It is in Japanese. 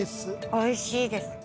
おいしいです